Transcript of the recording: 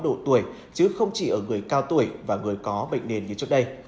độ tuổi chứ không chỉ ở người cao tuổi và người có bệnh nền như trước đây